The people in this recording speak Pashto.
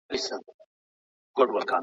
او سیند تر منځ موقعیت لري.